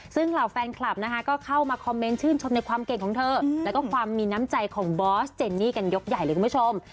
ซึ่งเหล่าแฟนคลับนะคะก็เข้ามาคอมเมนต์ชื่นชมในความเก่งของเธอแล้วก็ความมีน้ำใจของบอสเจนนี่กันยกใหญ่เลยคุณผู้ชม